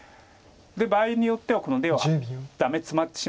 場合によってはこの出はダメツマってしまいます。